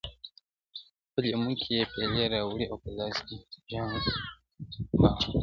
په لېمو کي پیالې راوړې او په لاس کي جام د بنګ دی.